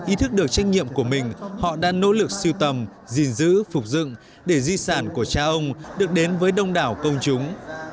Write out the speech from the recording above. ý thức được trách nhiệm của mình họ đã nỗ lực siêu tầm gìn giữ phục dựng để di sản của cha ông được đến với đông đảo công chúng